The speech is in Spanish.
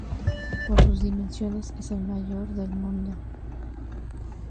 Por sus dimensiones es el mayor del mundo.